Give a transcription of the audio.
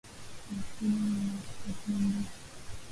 Maskini huwa hapendwi